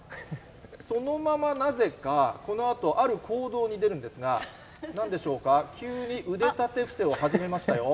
そのままなぜか、このあと、ある行動に出るんですが、なんでしょうか、急に腕立て伏せを始めましたよ。